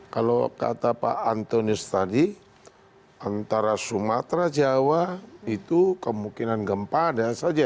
kalau kata pak antonius tadi antara sumatera jawa itu kemungkinan gempa ada saja